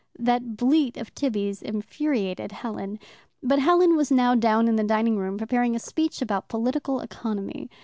That bleat of Tibby's infuriated Helen. But Helen was now down in the dining room preparing a speech about political economy.